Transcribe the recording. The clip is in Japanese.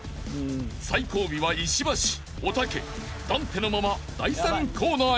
［最後尾は石橋おたけダンテのまま第３コーナーへ］